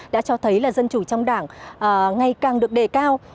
đã cho thấy là dân chủ trong đảng ngày càng được đề cao